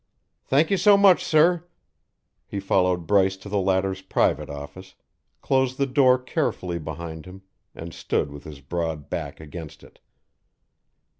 "Thank you so much, sir." He followed Bryce to the latter's private office, closed the door carefully behind him, and stood with his broad back against it.